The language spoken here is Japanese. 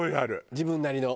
自分なりの。